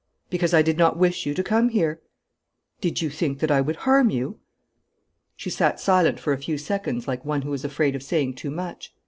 'Because I did not wish you to come here.' 'Did you think that I would harm you?' She sat silent for a few seconds like one who is afraid of saying too much.